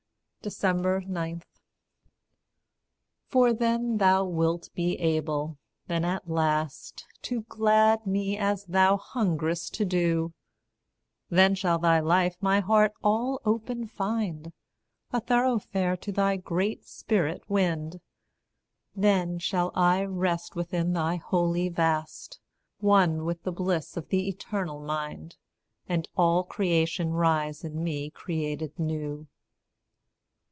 9. For then thou wilt be able, then at last, To glad me as thou hungerest to do; Then shall thy life my heart all open find, A thoroughfare to thy great spirit wind; Then shall I rest within thy holy vast, One with the bliss of the eternal mind; And all creation rise in me created new.